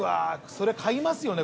そりゃ買いますよね